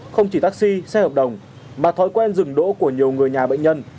không chỉ taxi xe hợp đồng mà thói quen dừng đỗ của nhiều người nhà bệnh nhân